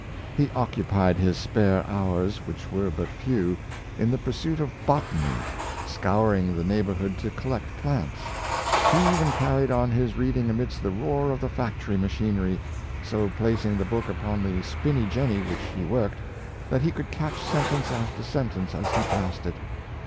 He occupied his spare hours, which were but few, in the pursuit of botany, scouring the neigh borhood to collect plants. He even carried on his reading amidst the roar of the factory machinery, so placing the book upon the spinning jenny which he worked that he could catch sentence after sentence as he passed it.